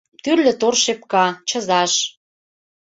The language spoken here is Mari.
Тӱрлӧ тор шепка, чызаш